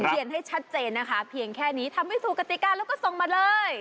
เขียนให้ชัดเจนนะคะเพียงแค่นี้ทำให้สู่กติกาแล้วก็ส่งมาเลย